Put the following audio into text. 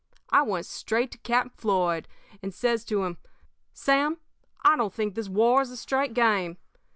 "I went straight to Captain Floyd, and says to him: 'Sam, I don't think this war is a straight game.